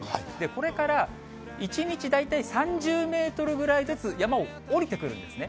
これから１日大体３０メートルぐらいずつ山を下りてくるんですね。